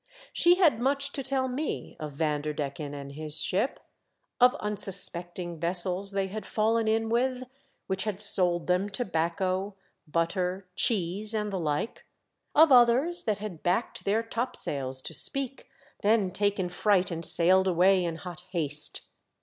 She had much to tell me of Vanderdecken and his ship ; of unsuspecting vessels they had fallen in with, which had sold them IMOGENE AND I ARE MUCH TOGETHER. 1 93 tobacco, butter, cheese, and the hke. Ot others that had backed their topsails to speak, then taken fright and sailed away in hot haste.